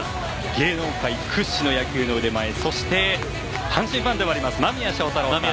芸能界屈指の野球の腕前そして、阪神ファンでもある間宮祥太朗さん。